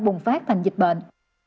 bùng phát thành dịch bệnh